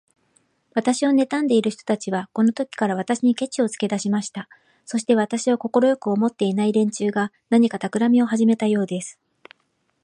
私をねたんでいる人たちは、このときから、私にケチをつけだしました。そして、私を快く思っていない連中が、何かたくらみをはじめたようです。